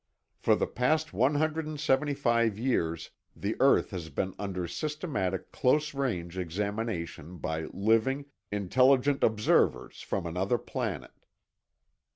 For the past 175 years, the earth has been under systematic close range examination by living, intelligent observers from another planet.